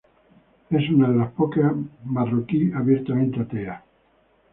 Es una de las pocas marroquíes abiertamente ateas.